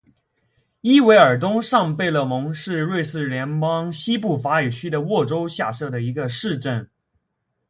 伊韦尔东上贝勒蒙是瑞士联邦西部法语区的沃州下设的一个市镇。